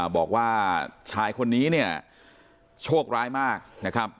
บอกว่าชายคนนี้เนี่ยโชคร้ายมากนะครับ